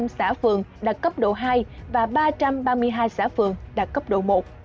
hai trăm bốn mươi năm xã phường đạt cấp độ hai và ba trăm ba mươi hai xã phường đạt cấp độ một